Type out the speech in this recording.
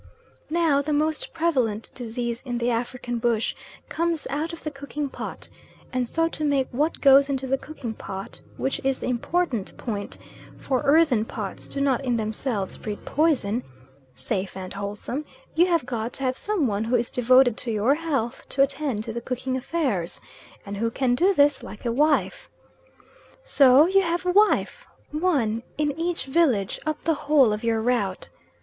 Now the most prevalent disease in the African bush comes out of the cooking pot, and so to make what goes into the cooking pot which is the important point, for earthen pots do not in themselves breed poison safe and wholesome, you have got to have some one who is devoted to your health to attend to the cooking affairs, and who can do this like a wife? So you have a wife one in each village up the whole of your route.